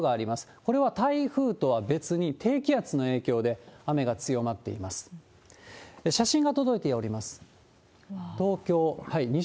これは台風とは別に、低気圧の影響で雨が強まっています。